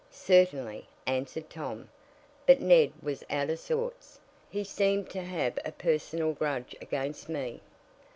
"Certainly," answered Tom; "but Ned was out of sorts. He seemed to have a personal grudge against me."